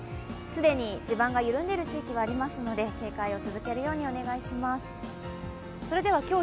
既に地盤が緩んでいる地域がありますので警戒を続けるようにしてください。